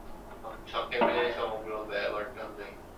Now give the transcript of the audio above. সংক্ষেপে সমগ্র ব্যাপারটা হল এই।